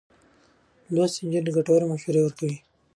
لوستې نجونې ګټورې مشورې ورکوي.